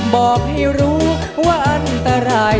บอกให้รู้ว่าอันตราย